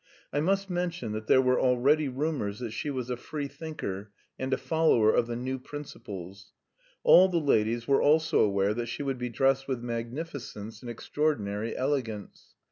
I must mention that there were already rumours that she was a free thinker, and a follower of "the new principles." All the ladies were also aware that she would be dressed with magnificence and extraordinary elegance.